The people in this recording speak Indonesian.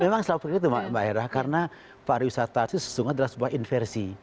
memang selalu begitu mbak hera karena pariwisata itu sesungguhnya adalah sebuah inversi